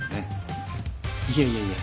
いやいやいや。